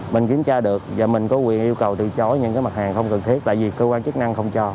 mình kiểm tra được và mình có quyền yêu cầu từ chối những mặt hàng không cần thiết tại vì cơ quan chức năng không cho